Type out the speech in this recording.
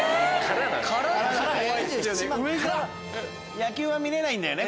野球は見れないんだよね？